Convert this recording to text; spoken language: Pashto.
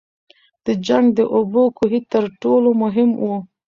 د جنګ د اوبو کوهي تر ټولو مهم وو.